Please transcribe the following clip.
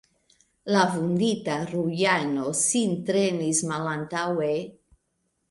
La vundita Rujano sin trenis malantaŭe.